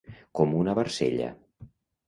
Com una barcella.